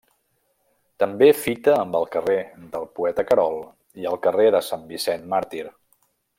També fita amb el carrer del Poeta Querol i el carrer de Sant Vicent Màrtir.